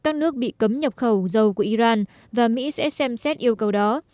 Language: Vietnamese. các nước bị cấm nhập khẩu dầu của iran và mỹ sẽ xem xét yêu cầu đó